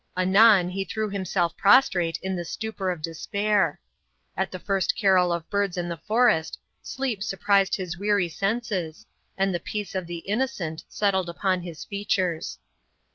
Anon he threw himself prostrate in the stupor of despair. At the first carol of birds in the forest, sleep surprised his weary senses, and the peace of the innocent settled upon his features.